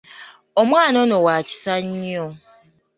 Omwana ono wa kisa nnyo.